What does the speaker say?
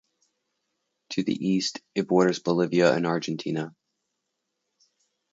To the east it borders Bolivia and Argentina.